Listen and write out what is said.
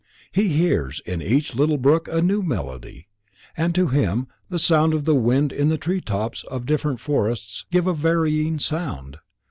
He hears in each little brook a new melody, and to him the sound of wind in the treetops of different forests give a varying sound.